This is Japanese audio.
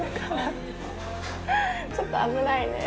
ちょっと危ないね。